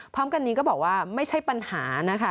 พร้อมกันนี้ก็บอกว่าไม่ใช่ปัญหานะคะ